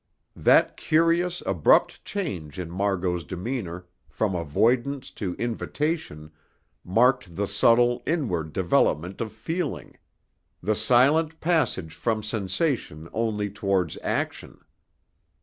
That curious, abrupt change in Margot's demeanour from avoidance to invitation marked the subtle, inward development of feeling, the silent passage from sensation only towards action.